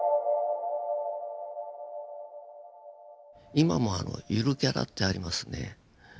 今もあの「ゆるキャラ」ってありますね。